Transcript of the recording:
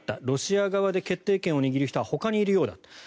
ロシア側で決定権を握る人はほかにいるようだと。